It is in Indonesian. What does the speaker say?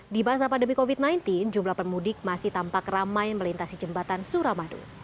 di masa pandemi covid sembilan belas jumlah pemudik masih tampak ramai melintasi jembatan suramadu